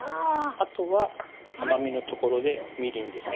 あとは甘みのところでみりんですね